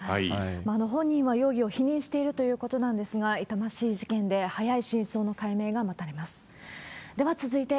本人は容疑を否認しているということなんですが、痛ましい事件で、早い真相の解明が待たれます。